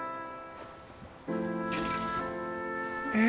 え！